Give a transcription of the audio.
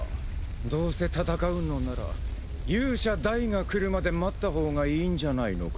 どうせ戦うのなら勇者ダイが来るまで待ったほうがいいんじゃないのか？